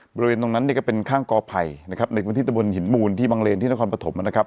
บริเวณตรงนั้นเนี่ยก็เป็นข้างกอไผ่นะครับในพื้นที่ตะบนหินมูลที่บังเลนที่นครปฐมนะครับ